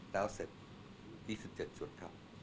แล้วเสร็จ๒๗จุดครับ